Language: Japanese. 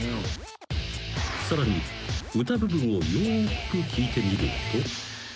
［さらに歌部分をよく聴いてみると］